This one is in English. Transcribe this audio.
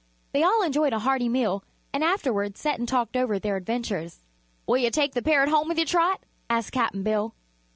They all enjoyed a hearty meal and afterward sat and talked over their adventures. "Will you take the parrot home with you, Trot?" asked Cap'n Bill.